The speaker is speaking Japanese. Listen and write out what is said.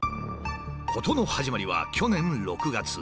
事の始まりは去年６月。